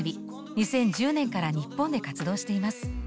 ２０１０年から日本で活動しています。